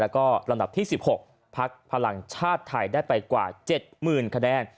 แล้วก็ลำดับที่๑๖พักพลังชาติไทยได้ไปกว่า๗๐๐๐คะแนน